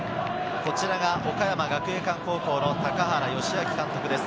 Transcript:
岡山学芸館高校の高原良明監督です。